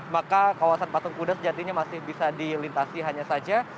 maka kawasan patung kuda sejatinya masih bisa dilintasi hanya saja